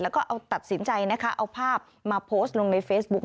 แล้วก็เอาตัดสินใจนะคะเอาภาพมาโพสต์ลงในเฟซบุ๊ค